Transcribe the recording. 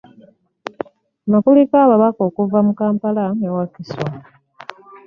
Kuno kuliko ababaka okuva mu Kampala ne Wakiso